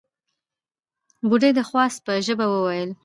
بوډۍ د خواست په ژبه وويل: